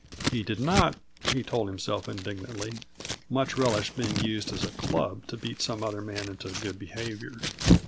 He did not, he told himself indignantly, much relish being used as a club to beat some other man into good behavior.